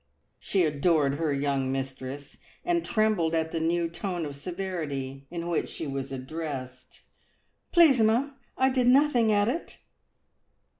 She adored her young mistress, and trembled at the new tone of severity in which she was addressed. "Please, ma'am, I did nothing at it!"